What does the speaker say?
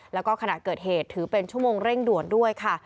แล้วก็ขณะเกิดเหตุถือเป็นชั่วโมงเร่งด่วนด้วยค่ะ